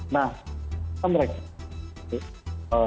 nah kan mereka